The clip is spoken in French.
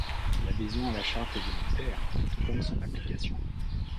L'adhésion à la charte est volontaire, tout comme son application.